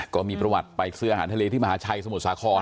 ก็มีประวัติไปซื้ออาหารทะเลที่มหาชัยสมุทรสาคร